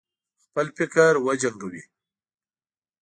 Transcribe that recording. خپل فکر وجنګوي.